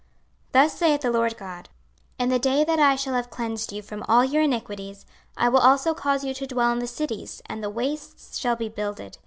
26:036:033 Thus saith the Lord GOD; In the day that I shall have cleansed you from all your iniquities I will also cause you to dwell in the cities, and the wastes shall be builded.